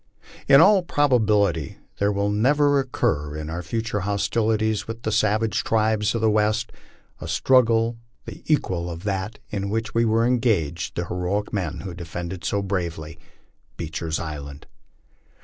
In all probability there will never occur, in our future hostilities with the savage tribes of the West, a struggle the equal of that in which were engaged the heroic men who defended so bravely " Beecher's Island."